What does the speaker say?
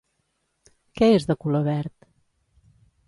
Què és de color verd?